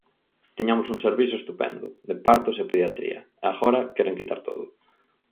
Tiñamos un servizo estupendo, de partos e pediatría; e agora queren quitar todo.